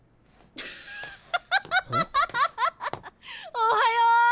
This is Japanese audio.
おはよう！